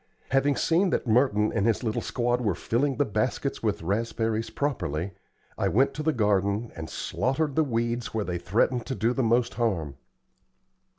Having seen that Merton and his little squad were filling the baskets with raspberries properly, I went to the garden and slaughtered the weeds where they threatened to do the most harm.